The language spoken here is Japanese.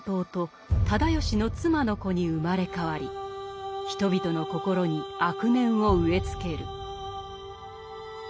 直義の妻の子に生まれ変わり人々の心に悪念を植え付ける。